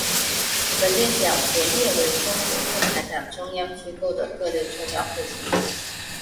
本列表所列为中国共产党中央机构的各类重要会议。